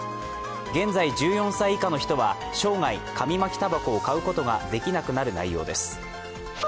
現在１４歳以下の人は生涯、紙巻たばこが買うことができなくなる内容です